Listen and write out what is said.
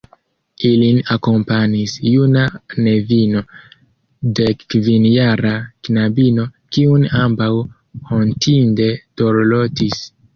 Ilin akompanis juna nevino, dekkvinjara knabino, kiun ambaŭ hontinde dorlotis.